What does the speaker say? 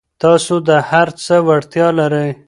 تاسو د هر څه وړتیا لرئ.